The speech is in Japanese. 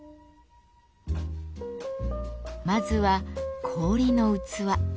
まずは氷の器。